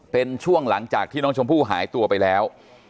เป็นช่วงหลังจากที่น้องชมพู่หายตัวไปแล้ว